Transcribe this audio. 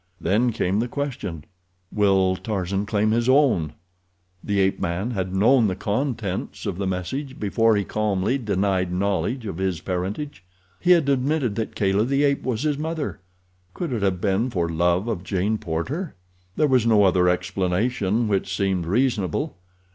Then came the question: Will Tarzan claim his own? The ape man had known the contents of the message before he calmly denied knowledge of his parentage! He had admitted that Kala, the ape, was his mother! Could it have been for love of Jane Porter? There was no other explanation which seemed reasonable.